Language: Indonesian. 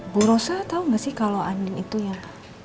bu rosa tau gak sih kalo andin itu yang